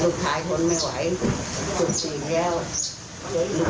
แบบก่อนทดทที่อาจทีมงานสองตัวตัวสงครั้ง